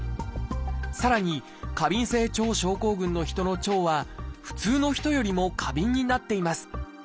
さらに過敏性腸症候群の人の腸は普通の人よりも過敏になっています。